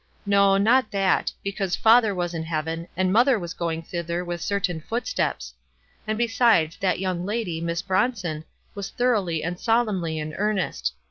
No, not that ; because father was in heaven, and mother was going thither with cer tain footsteps ; and, besides, that young lady, Miss Bronson, was thoroughly and solemnly in earnest.